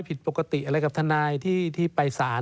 ผิดปกติอะไรกับทนายที่ไปสาร